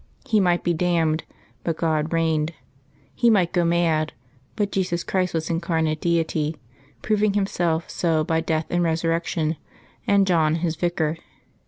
He might be damned, but God reigned. He might go mad, but Jesus Christ was Incarnate Deity, proving Himself so by death and Resurrection, and John his Vicar.